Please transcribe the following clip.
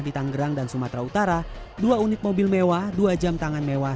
di tanggerang dan sumatera utara dua unit mobil mewah dua jam tangan mewah